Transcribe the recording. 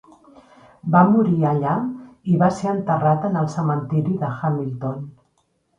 Va morir allà, i va ser enterrat en el cementiri de Hamilton.